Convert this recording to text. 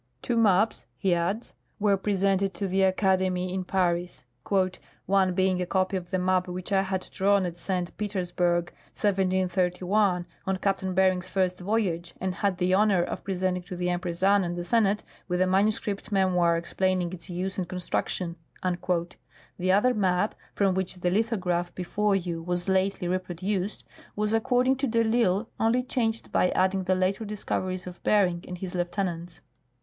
Two maps," he adds, were presented to the Academy in Paris, " one being a copy of the map which I had drawn at St. Petersburg, 1731, on Captain Bering's first voyage, and had the honor of presenting to the Empress Anne and the Senate, with a manuscript memoir explaining its use and construction." The other map (from which the lithograph before you was lately reproduced) was, according to de I'Isle, only changed by adding the later discoveries of Bering and his lieutenants.